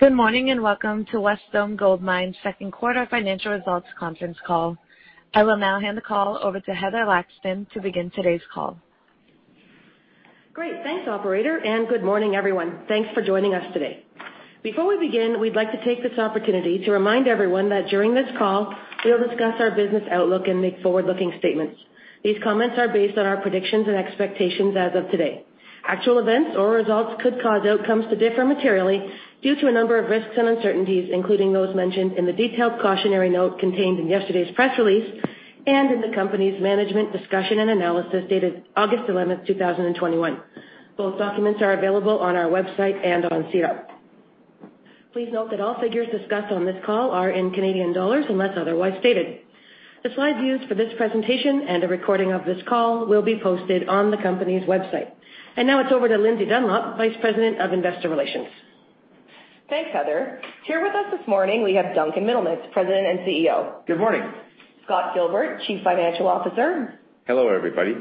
Good morning, and welcome to Wesdome Gold Mines' second quarter financial results conference call. I will now hand the call over to Heather Laxton to begin today's call. Great. Thanks, operator, good morning, everyone. Thanks for joining us today. Before we begin, we'd like to take this opportunity to remind everyone that during this call, we'll discuss our business outlook and make forward-looking statements. These comments are based on our predictions and expectations as of today. Actual events or results could cause outcomes to differ materially due to a number of risks and uncertainties, including those mentioned in the detailed cautionary note contained in yesterday's press release and in the company's management discussion and analysis dated August 11th, 2021. Both documents are available on our website and on SEDAR. Please note that all figures discussed on this call are in Canadian dollars unless otherwise stated. The slides used for this presentation and a recording of this call will be posted on the company's website. Now it's over to Lindsay Dunlop, Vice President of Investor Relations. Thanks, Heather. Here with us this morning, we have Duncan Middlemiss, President and CEO. Good morning. Scott Gilbert, Chief Financial Officer. Hello, everybody.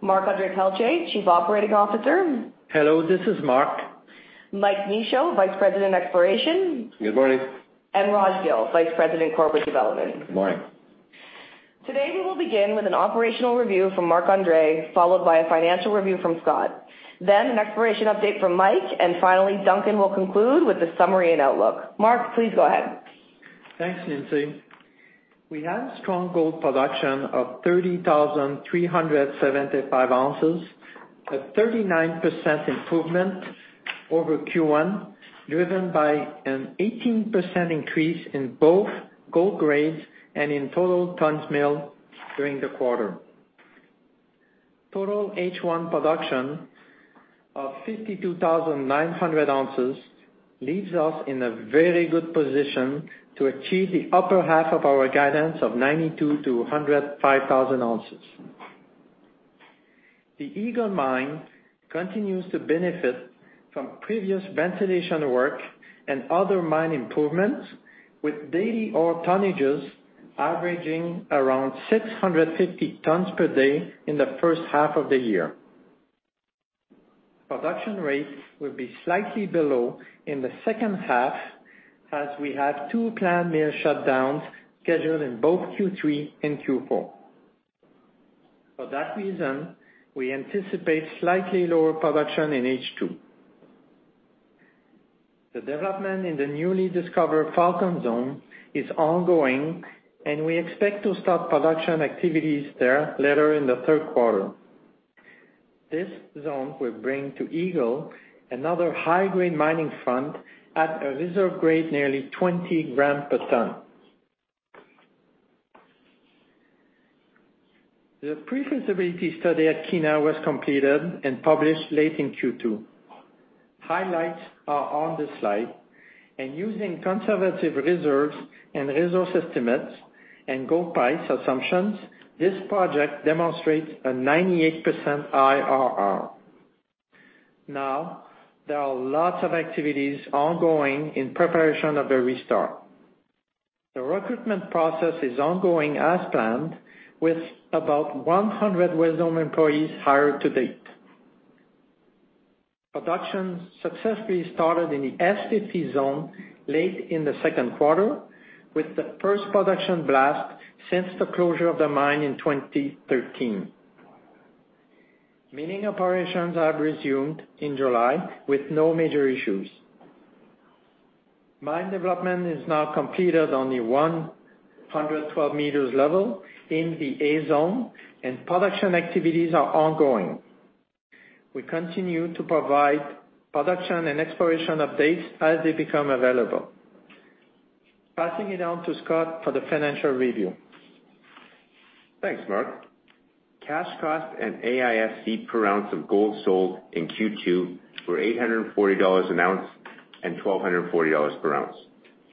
Marc-André Pelchat, Chief Operating Officer. Hello, this is Marc. Mike Michaud, Vice President, Exploration. Good morning. Raj Gill, Vice President, Corporate Development. Good morning. Today we will begin with an operational review from Marc-André, followed by a financial review from Scott, then an exploration update from Mike, and finally, Duncan will conclude with a summary and outlook. Marc, please go ahead. Thanks, Lindsay. We had strong gold production of 30,375 ounces, a 39% improvement over Q1, driven by an 18% increase in both gold grades and in total tons milled during the quarter. Total H1 production of 52,900 ounces leaves us in a very good position to achieve the upper half of our guidance of 92 to 105,000 ounces. The Eagle Mine continues to benefit from previous ventilation work and other mine improvements with daily ore tonnages averaging around 650 tons per day in the first half of the year. Production rates will be slightly below in the second half as we have two planned mill shutdowns scheduled in both Q3 and Q4. For that reason, we anticipate slightly lower production in H2. The development in the newly discovered Falcon Zone is ongoing, and we expect to start production activities there later in the third quarter. This zone will bring to Eagle another high-grade mining front at a reserve grade nearly 20 gram per ton. The pre-feasibility study at Kiena was completed and published late in Q2. Highlights are on this slide, and using conservative reserves and resource estimates and gold price assumptions, this project demonstrates a 98% IRR. Now, there are lots of activities ongoing in preparation of the restart. The recruitment process is ongoing as planned with about 100 Wesdome employees hired to date. Production successfully started in the S-50 Zone late in the second quarter with the first production blast since the closure of the mine in 2013. Mining operations have resumed in July with no major issues. Mine development is now completed on the 112 meters level in the A-Zone and production activities are ongoing. We continue to provide production and exploration updates as they become available. Passing it on to Scott for the financial review. Thanks, Marc. Cash cost and AISC per ounce of gold sold in Q2 were 840 dollars an ounce and 1,240 dollars per ounce,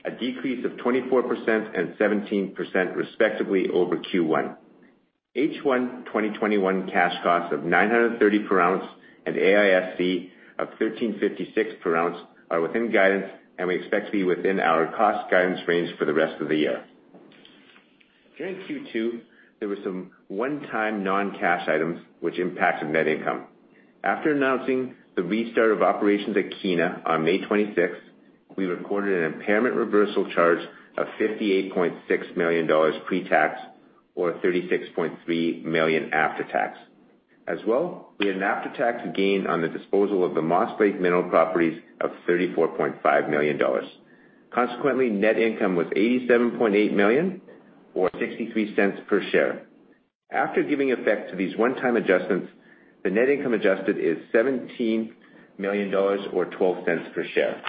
a decrease of 24% and 17% respectively over Q1. H1 2021 cash cost of 930 per ounce and AISC of 1,356 per ounce are within guidance, and we expect to be within our cost guidance range for the rest of the year. During Q2, there were some one-time non-cash items which impacted net income. After announcing the restart of operations at Kiena on May 26th, we recorded an impairment reversal charge of 58.6 million dollars pre-tax or 36.3 million after tax. As well, we had an after-tax gain on the disposal of the Moss Lake mineral properties of 34.5 million dollars. Consequently, net income was 87.8 million or 0.63 per share. After giving effect to these one-time adjustments, the net income adjusted is CAD 17 million or 0.12 per share.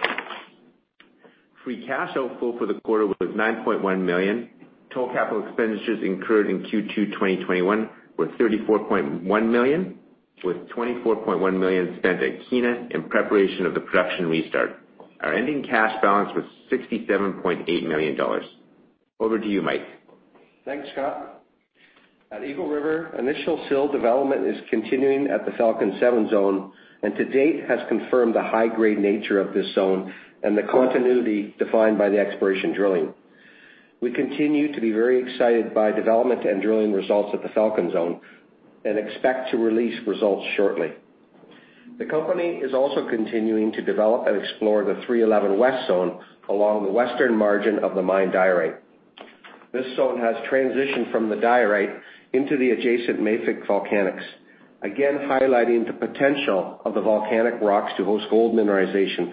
Free cash outflow for the quarter was 9.1 million. Total capital expenditures incurred in Q2 2021 were 34.1 million with 24.1 million spent at Kiena in preparation of the production restart. Our ending cash balance was 67.8 million dollars. Over to you, Mike. Thanks, Scott. At Eagle River, initial sill development is continuing at the Falcon 7 Zone, and to date has confirmed the high-grade nature of this zone and the continuity defined by the exploration drilling. We continue to be very excited by development and drilling results at the Falcon Zone and expect to release results shortly. The company is also continuing to develop and explore the 311 West Zone along the western margin of the mine diorite. This zone has transitioned from the diorite into the adjacent mafic volcanics, again highlighting the potential of the volcanic rocks to host gold mineralization,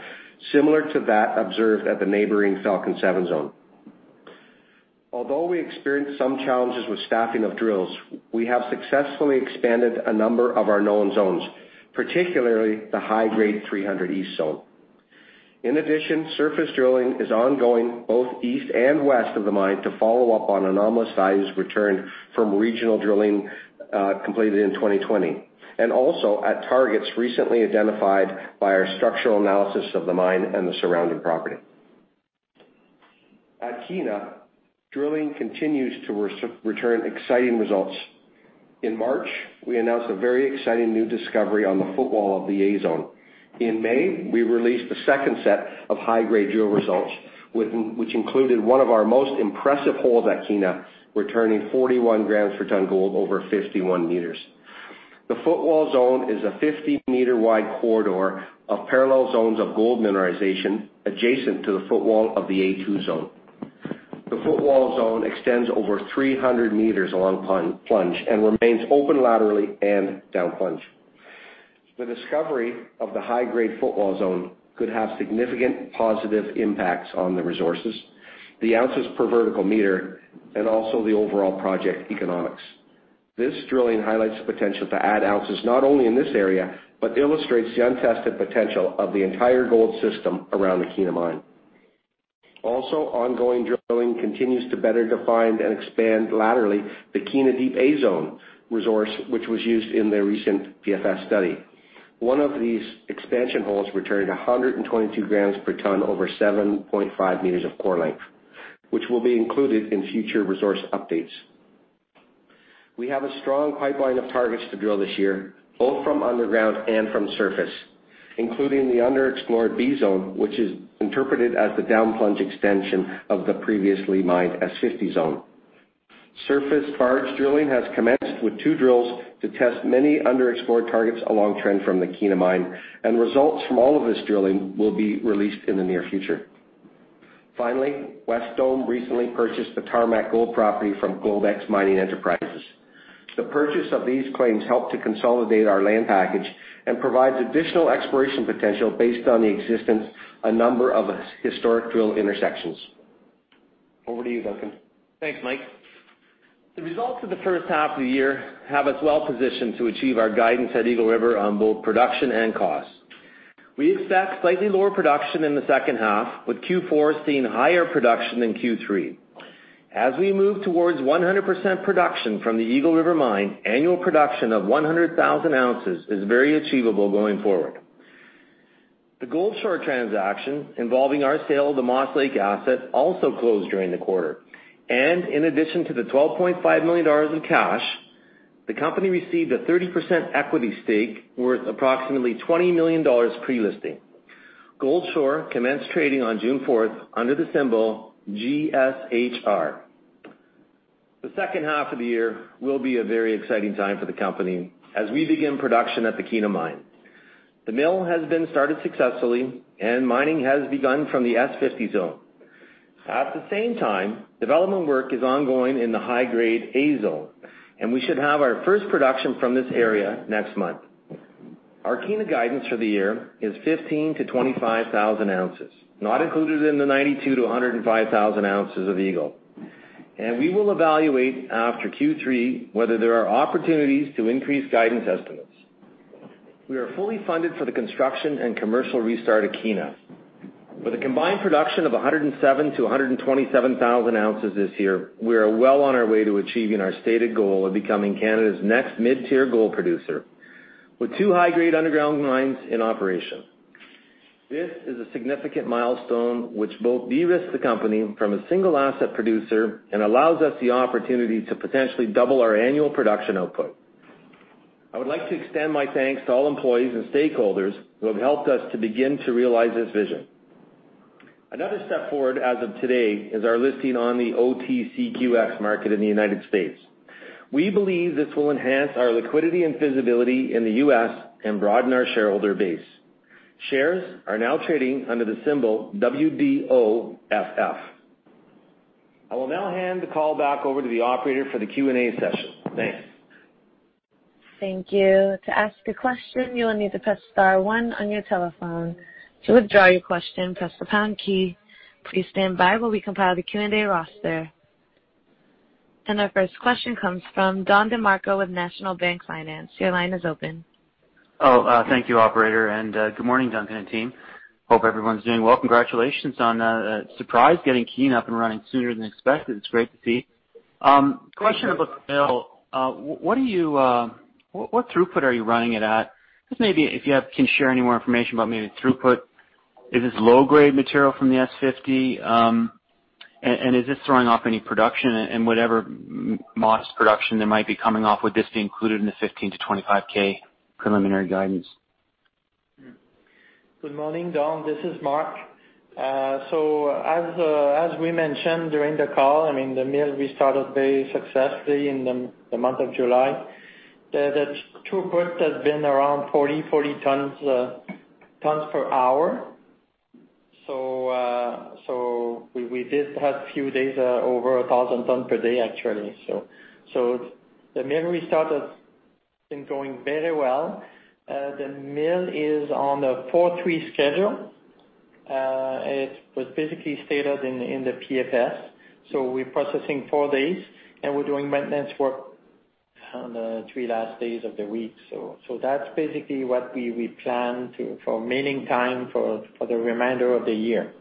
similar to that observed at the neighboring Falcon 7 Zone. Although we experienced some challenges with staffing of drills, we have successfully expanded a number of our known zones, particularly the high-grade 300 East Zone. In addition, surface drilling is ongoing both east and west of the mine to follow up on anomalous values returned from regional drilling completed in 2020, and also at targets recently identified by our structural analysis of the mine and the surrounding property. At Kiena, drilling continues to return exciting results. In March, we announced a very exciting new discovery on the footwall of the A-Zone. In May, we released the second set of high-grade drill results, which included one of our most impressive holes at Kiena, returning 41 grams per tonne gold over 51 meters. The Footwall Zone is a 50-meter-wide corridor of parallel zones of gold mineralization adjacent to the footwall of the A-2 Zone. The Footwall Zone extends over 300 meters along plunge and remains open laterally and down plunge. The discovery of the high-grade Footwall Zone could have significant positive impacts on the resources, the ounces per vertical meter, and also the overall project economics. This drilling highlights the potential to add ounces not only in this area, but illustrates the untested potential of the entire gold system around the Kiena Mine. Ongoing drilling continues to better define and expand laterally the Kiena Deep A-Zone resource, which was used in the recent PFS study. One of these expansion holes returned 122 grams per tonne over 7.5 meters of core length, which will be included in future resource updates. We have a strong pipeline of targets to drill this year, both from underground and from surface, including the underexplored B-Zone, which is interpreted as the down-plunge extension of the previously mined S-50 Zone. Surface barge drilling has commenced with two drills to test many underexplored targets along trend from the Kiena Mine, and results from all of this drilling will be released in the near future. Wesdome recently purchased the Tarmac Gold property from Globex Mining Enterprises. The purchase of these claims help to consolidate our land package and provides additional exploration potential based on the existence a number of historic drill intersections. Over to you, Duncan. Thanks, Mike. The results of the first half of the year have us well positioned to achieve our guidance at Eagle River on both production and cost. We expect slightly lower production in the second half, with Q4 seeing higher production than Q3. As we move towards 100% production from the Eagle River Mine, annual production of 100,000 ounces is very achievable going forward. The Goldshore Resources transaction involving our sale of the Moss Lake asset also closed during the quarter. In addition to the 12.5 million dollars in cash, the company received a 30% equity stake worth approximately 20 million dollars pre-listing. Goldshore Resources commenced trading on June 4th under the symbol GSHR. The second half of the year will be a very exciting time for the company as we begin production at the Kiena Mine. The mill has been started successfully, and mining has begun from the S-50 Zone. At the same time, development work is ongoing in the high-grade A-Zone, and we should have our first production from this area next month. Our Kiena guidance for the year is 15,000-25,000 ounces, not included in the 92,000-105,000 ounces of Eagle. We will evaluate after Q3 whether there are opportunities to increase guidance estimates. We are fully funded for the construction and commercial restart at Kiena. With a combined production of 107,000-127,000 ounces this year, we are well on our way to achieving our stated goal of becoming Canada's next mid-tier gold producer, with two high-grade underground mines in operation. This is a significant milestone which both de-risks the company from a single asset producer and allows us the opportunity to potentially double our annual production output. I would like to extend my thanks to all employees and stakeholders who have helped us to begin to realize this vision. Another step forward as of today is our listing on the OTCQX market in the U.S. We believe this will enhance our liquidity and visibility in the U.S. and broaden our shareholder base. Shares are now trading under the symbol WDOFF. I will now hand the call back over to the operator for the Q&A session. Thanks. Thank you. To ask a question, you will need to press star one on your telephone. To withdraw your question, press the pound key. Please stand by while we compile the Q&A roster. Our first question comes from Don DeMarco with National Bank Financial. Your line is open. Oh, thank you, operator, and good morning, Duncan and team. Hope everyone's doing well. Congratulations on the surprise, getting Kiena up and running sooner than expected. It's great to see. Question about the mill. What throughput are you running it at? Just maybe if you can share any more information about maybe throughput. Is this low-grade material from the S-50? Is this throwing off any production and whatever mass production that might be coming off, would this be included in the 15,000-25,000 preliminary guidance? Good morning, Don. This is Marc. As we mentioned during the call, the mill restarted very successfully in the month of July. The throughput has been around 40 tons per hour. We did have a few days over 1,000 tons per day, actually. The mill restart has been going very well. The mill is on a four-three schedule. It was basically stated in the PFS. We're processing four days and we're doing maintenance work on the last three days of the week. That's basically what we plan for milling time for the remainder of the year.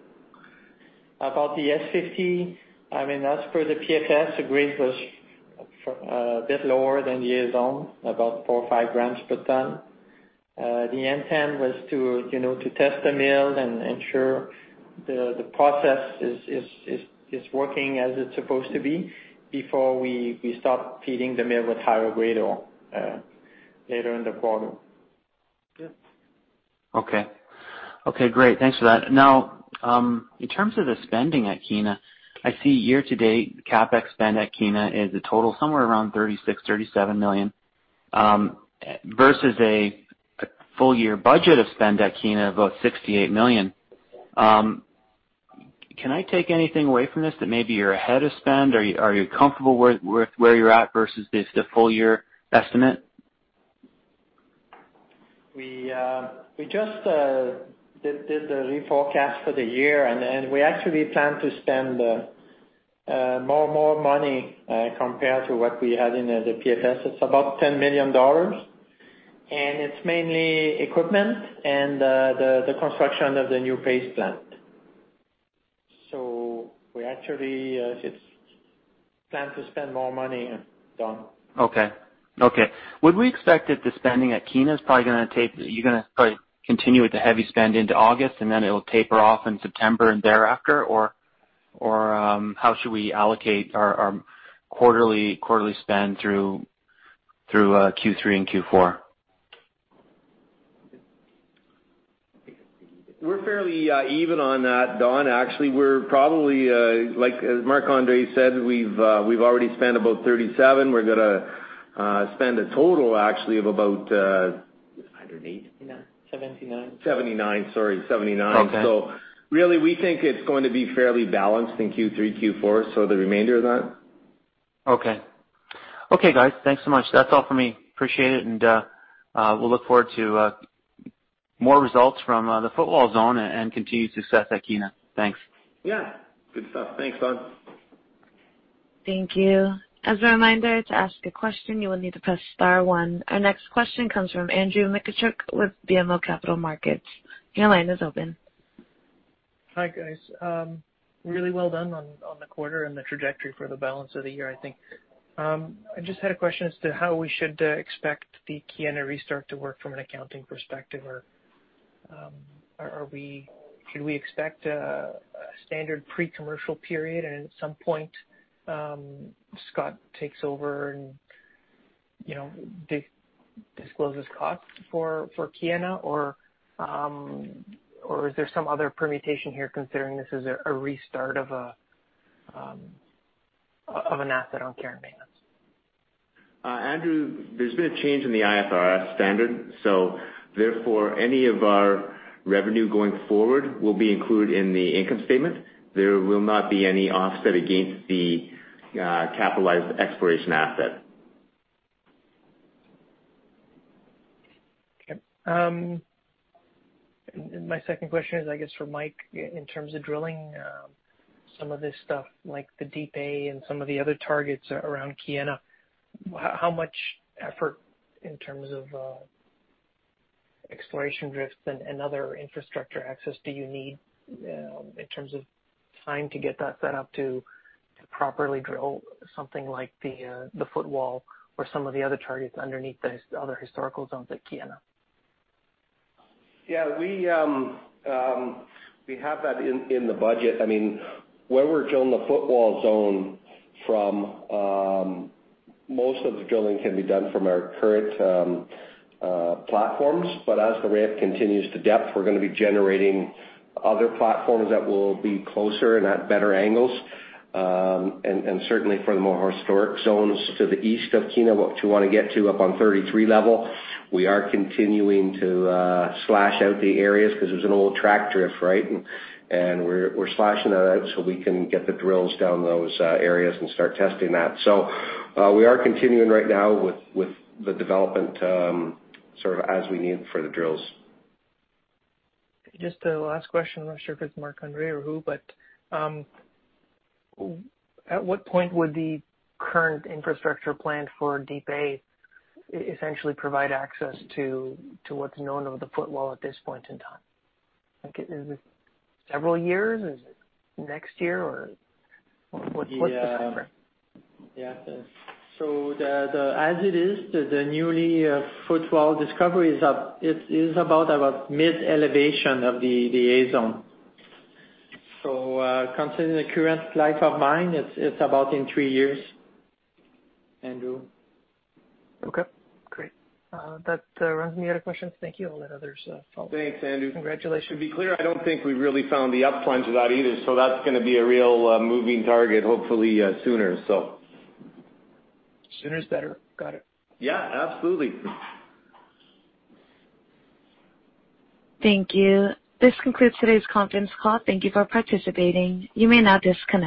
About the S-50, as per the PFS, the grade was a bit lower than the A-Zone, about four or five grams per ton. The intent was to test the mill and ensure the process is working as it's supposed to be before we start feeding the mill with higher grade ore later in the quarter. Good. Okay. Okay, great. Thanks for that. In terms of the spending at Kiena, I see year to date, the CapEx spend at Kiena is a total somewhere around 36 million, 37 million, versus a full year budget of spend at Kiena of about 68 million. Can I take anything away from this that maybe you're ahead of spend? Are you comfortable with where you're at versus the full year estimate? We just did the reforecast for the year, we actually plan to spend more money, compared to what we had in the PFS. It's about 10 million dollars. It's mainly equipment and the construction of the new paste plant. We actually plan to spend more money, Don. Okay. Would we expect that You're going to probably continue with the heavy spend into August, then it'll taper off in September and thereafter? How should we allocate our quarterly spend through Q3 and Q4? We're fairly even on that, Don. Actually, we're probably, like Marc-André said, we've already spent about 37. We're going to spend a total, actually, of about- 108, no, 79. 79, sorry. 79. Okay. Really, we think it's going to be fairly balanced in Q3, Q4, so the remainder of that. Okay, guys, thanks so much. That's all from me. Appreciate it, and we'll look forward to more results from the Footwall Zone and continued success at Kiena. Thanks. Yeah. Good stuff. Thanks, Don. Thank you. As a reminder, to ask a question, you will need to press star one. Our next question comes from Andrew Mikitchook with BMO Capital Markets. Your line is open. Hi, guys. Really well done on the quarter and the trajectory for the balance of the year, I think. I just had a question as to how we should expect the Kiena restart to work from an accounting perspective. Should we expect a standard pre-commercial period and at some point, Scott takes over and discloses costs for Kiena? Is there some other permutation here, considering this is a restart of an asset on care and maintenance? Andrew, there's been a change in the IFRS standard. Therefore, any of our revenue going forward will be included in the income statement. There will not be any offset against the capitalized exploration asset. Okay. My second question is, I guess, for Mike, in terms of drilling some of this stuff like the Deep A and some of the other targets around Kiena, how much effort in terms of exploration drifts and other infrastructure access do you need in terms of time to get that set up to properly drill something like the Footwall or some of the other targets underneath the other historical zones at Kiena? Yeah. We have that in the budget. Where we're drilling the Footwall Zone from, most of the drilling can be done from our current platforms. As the ramp continues to depth, we're going to be generating other platforms that will be closer and at better angles. Certainly for the more historic zones to the east of Kiena, what we want to get to up on 33 level, we are continuing to slash out the areas because there's an old track drift, right? We're slashing that out so we can get the drills down those areas and start testing that. We are continuing right now with the development as we need for the drills. Just a last question. I'm not sure if it's Marc-André or who, at what point would the current infrastructure plan for Deep A essentially provide access to what's known of the Footwall at this point in time? Is it several years? Is it next year, what's the timeframe? As it is, the newly footwall discovery is about mid elevation of the A-Zone. Considering the current life of mine, it's about in three years, Andrew. Okay, great. That runs me out of questions. Thank you. I'll let others follow. Thanks, Andrew. Congratulations. To be clear, I don't think we really found the up plunge of that either, so that's going to be a real moving target, hopefully sooner. Sooner is better. Got it. Yeah, absolutely. Thank you. This concludes today's conference call. Thank you for participating. You may now disconnect.